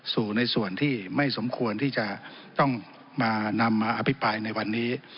ในส่วนที่ไม่สมควรที่จะต้องมานำมาอภิปรายในวันนี้